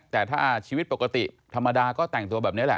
แต่ถ้าชีวิตปกติธรรมดาก็แต่งตัวแบบนี้แหละ